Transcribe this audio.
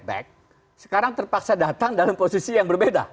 terhadap setelah bergabung sekarang terpaksa datang dalam posisi yang berbeda